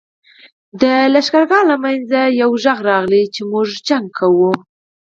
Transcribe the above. د لښکر له مينځه يوه چيغه راغله! موږ جګړه کوو.